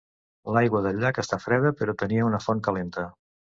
L'aigua del llac era freda però tenia una font calenta.